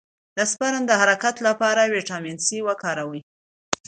د سپرم د حرکت لپاره ویټامین سي وکاروئ